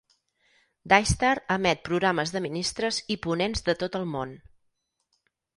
Daystar emet programes de ministres i ponents de tot el món.